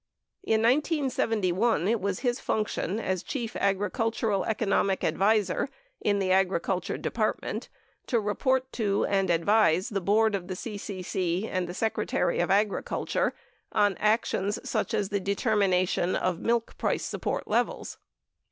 In 1971, it was his function as chief agricultural economic advisor in the Agriculture Department to report to and advise the Board of the CCC and the Secretary of Agriculture on actions such as the determination of milk price support levels.